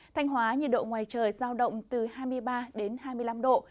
thanh hóa nhiệt độ ngoài trời giao động từ hai mươi ba đến hai mươi năm độ